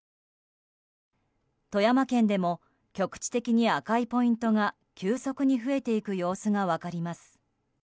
富山県でも局地的に赤いポイントが急速に増えていく様子が分かります。